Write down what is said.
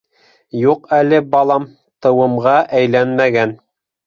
— Юҡ әле, балам, тыуымға әйләнмәгән.